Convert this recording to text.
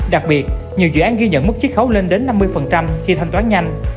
đặc biệt nhiều dự án ghi nhận mức chích khấu lên đến năm mươi khi thanh toán nhanh